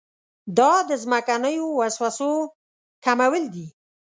دا د ځمکنیو وسوسو کمول دي.